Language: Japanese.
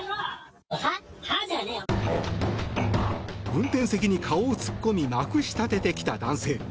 運転席に顔を突っ込みまくし立ててきた男性。